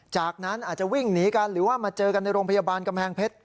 จากนั้นอาจจะวิ่งหนีกันหรือว่ามาเจอกันในโรงพยาบาลกำแพงเพชร